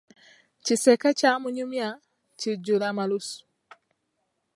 Kiseke kya munyumya, kijjula malusu.